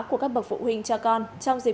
của các bậc phụ huynh cho con trong dịp